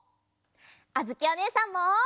あづきおねえさんも！